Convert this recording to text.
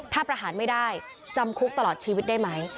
ถ้าประหารไม่ได้จำคุกตลอดชีวิตได้ไหม